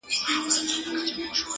چي اسمان ورته نجات نه دی لیکلی!!